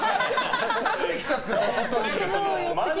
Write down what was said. なってきちゃってるから。